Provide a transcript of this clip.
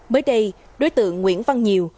bới đây đối tượng nguyễn văn nhiều